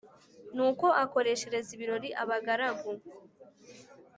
Nuko akoreshereza ibirori abagaragu